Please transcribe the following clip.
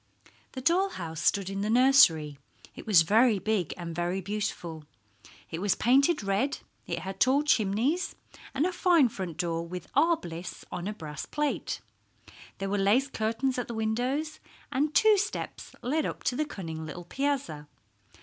The doll house stood in the nursery. It was very big and very beautiful. It was painted red; it had tall chimneys, and a fine front door with R. Bliss on a brass plate. There were lace curtains at the windows, and two steps led up to the cunning little piazza.